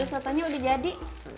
mak kalau bersorotnya udah jadi